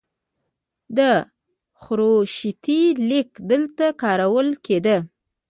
د خروشتي لیک دلته کارول کیده